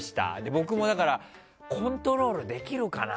僕もね、コントロールできるかな。